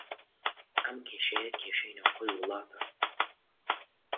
ئەم کێشەیە، کێشەی ناوخۆی وڵاتە